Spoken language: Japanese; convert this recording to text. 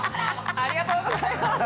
ありがとうございます。